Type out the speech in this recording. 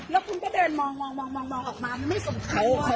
แล้วคุณก็เดินมองออกมามันไม่สงสัย